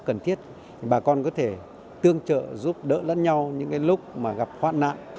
nếu có sức cần thiết bà con có thể tương trợ giúp đỡ lẫn nhau những lúc gặp hoạn nạn